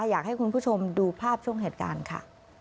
อยากให้คุณผู้ชมดูภาพช่วงเหตุการณ์ค่ะ